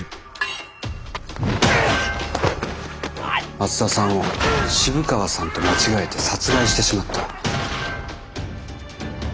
松田さんを渋川さんと間違えて殺害してしまった。